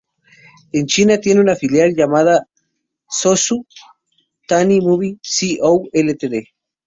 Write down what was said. En China tiene una filial llamada Suzhou Tani Movie Co., Ltd.